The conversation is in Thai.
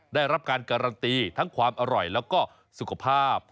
ได้รับการการันตีทั้งความอร่อยแล้วก็สุขภาพ